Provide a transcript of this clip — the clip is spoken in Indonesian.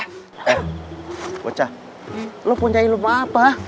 eh bocah lo punya ilmu apa